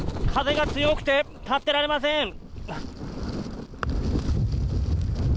風が強くて、立ってられません！